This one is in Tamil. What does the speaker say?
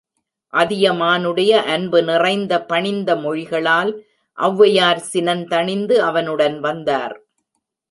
அதியமானுடைய அன்பு நிறைந்த, பணிந்த மொழிகளால் ஒளவையார் சினந்தணிந்து அவனுடன் வந்தார்.